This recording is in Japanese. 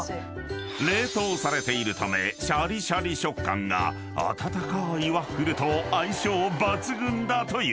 ［冷凍されているためシャリシャリ食感が温かーいワッフルと相性抜群だという］